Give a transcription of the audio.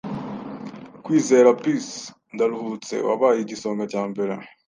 Kwizera Peace Ndaruhutse wabaye igisonga cya mbere